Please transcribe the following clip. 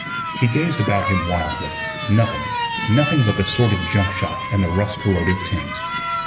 He gazed about him wildly; nothing, nothing but the sordid junk shop and the rust corroded tins.